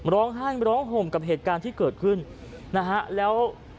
ร้องไห้ร้องห่มกับเหตุการณ์ที่เกิดขึ้นนะฮะแล้ว